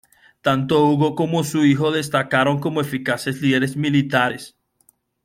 Tanto Hugo como su hijo destacaron como eficaces líderes militares.